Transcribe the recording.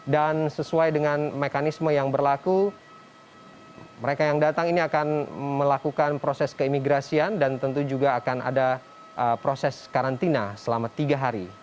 dan sesuai dengan mekanisme yang berlaku mereka yang datang ini akan melakukan proses keimigrasian dan tentu juga akan ada proses karantina selama tiga hari